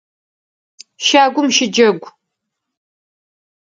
Щагум щыджэгу!